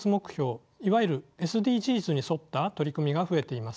いわゆるＳＤＧｓに沿った取り組みが増えています。